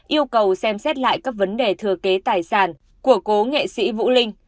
yêu cầu xem xét lại các vấn đề thừa kế tài sản của cố nghệ sĩ vũ linh